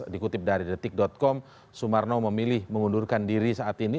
dikutip dari detik com sumarno memilih mengundurkan diri saat ini